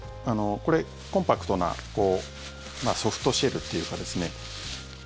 これ、コンパクトなソフトシェルっていうか。